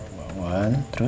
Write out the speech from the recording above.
mbak wan terus